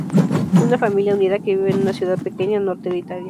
Una familia unida que vive en una ciudad pequeña al norte de Italia.